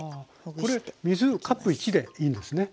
これ水カップ１でいいんですね。